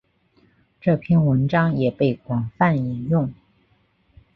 这篇文章也被广泛引用。